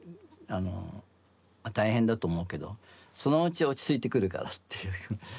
大変だと思うけどそのうち落ち着いてくるからっていう。